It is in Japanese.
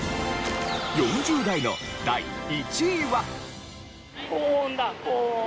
４０代の第１位は？